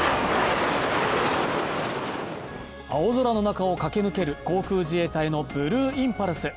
青空の中を駆け抜ける航空自衛隊のブルーインパルス。